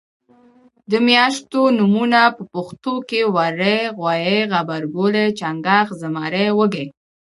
د میاشتو نومونه په پښتو کې وری غویي غبرګولی چنګاښ زمری وږی